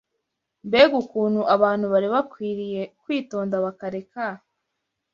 mbega ukuntu abantu bari bakwiriye kwitonda bakareka